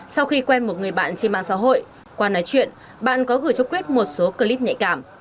sau khi quen một người bạn trên mạng xã hội qua nói chuyện bạn có gửi cho quyết một số clip nhạy cảm